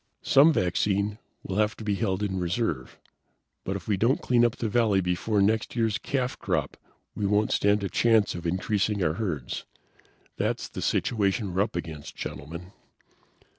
"Some vaccine will have to be held in reserve, but if we don't clean up the valley before next year's calf crop we won't stand a chance of increasing our herds. That's the situation we're up against, Gentlemen."